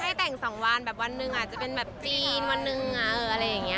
ใช่แต่ง๒วันแบบวันหนึ่งอาจจะเป็นแบบจีนวันหนึ่งอะไรอย่างนี้